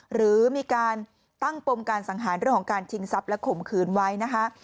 หรือมีการตั้งปมการสังหารเรื่องของการชิงทรัพย์และข่มขืนไว้นะคะ